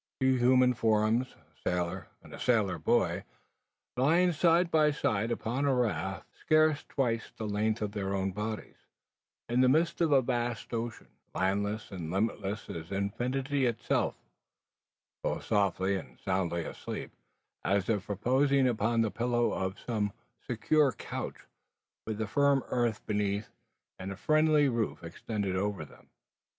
Two human forms, a sailor and a sailor boy, lying side by side upon a raft scarce twice the length of their own bodies, in the midst of a vast ocean, landless and limitless as infinity itself both softly and soundly asleep, as if reposing upon the pillow of some secure couch, with the firm earth beneath and a friendly roof extended over them!